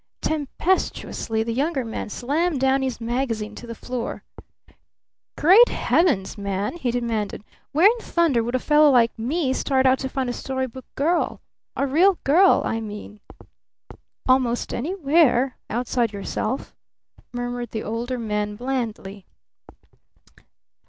Tempestuously the Younger Man slammed down his magazine to the floor. "Great Heavens, man!" he demanded. "Where in thunder would a fellow like me start out to find a story book girl? A real girl, I mean!" "Almost anywhere outside yourself," murmured the Older Man blandly.